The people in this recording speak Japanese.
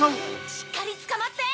しっかりつかまって！